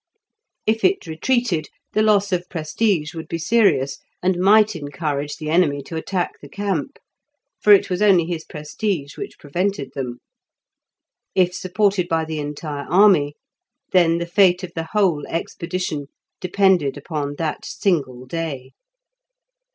If it retreated, the loss of prestige would be serious, and might encourage the enemy to attack the camp, for it was only his prestige which prevented them. If supported by the entire army, then the fate of the whole expedition depended upon that single day.